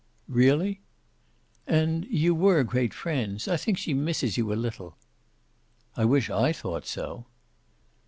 "Really?" "And you were great friends. I think she misses you a little." "I wish I thought so!"